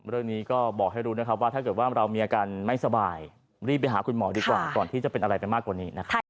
เรื่องนี้ก็บอกให้รู้นะครับว่าถ้าเกิดว่าเรามีอาการไม่สบายรีบไปหาคุณหมอดีกว่าก่อนที่จะเป็นอะไรไปมากกว่านี้นะครับ